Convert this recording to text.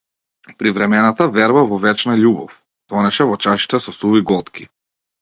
Привремената верба во вечна љубов, тонеше во чашите со суви голтки.